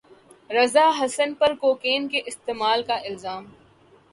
رضا حسن پر کوکین کے استعمال کا الزام